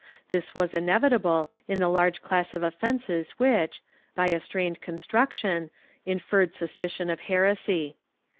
This was inevitable in the large class of offences which, by a strained construction, inferred suspicion of heresy.